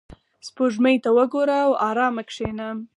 • سپوږمۍ ته وګوره او آرامه کښېنه.